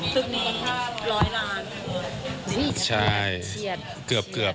ตึกนี้ค่า๑๐๐ล้านบาทเหรอครับ